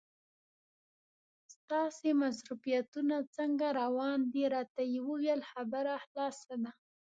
ستاسې مصروفیتونه څنګه روان دي؟ راته یې وویل خبره خلاصه ده.